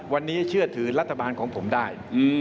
วันนี้เชื่อถือรัฐบาลของผมได้